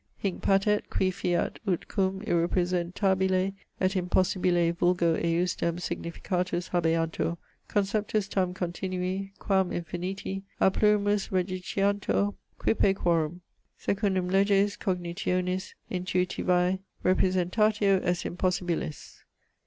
Hinc patet, qui fiat, ut cum irrepraesentabile et impossibile vulgo ejusdem significatus habeantur, conceptus tam continui, quam infiniti, a plurimis rejiciantur, quippe quorum, secundum leges cognitionis intuitivae, repraesentatio est impossibilis.